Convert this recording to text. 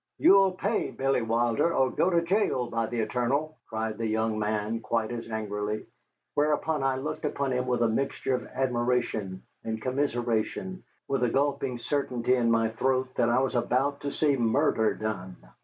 "You'll pay Bill Wilder or go to jail, by the eternal," cried the young man, quite as angrily, whereupon I looked upon him with a mixture of admiration and commiseration, with a gulping certainty in my throat that I was about to see murder done.